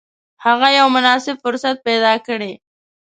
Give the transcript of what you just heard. هغه یو مناسب فرصت پیدا کړي.